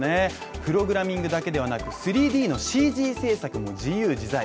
プログラミングだけではなく、３ＤのＣＧ制作も自由自在。